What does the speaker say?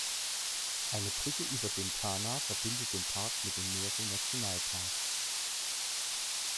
Eine Brücke über den Tana verbindet den Park mit dem Meru-Nationalpark.